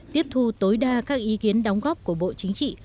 tiếp thu tối đa các ý kiến đóng góp của bộ chính trị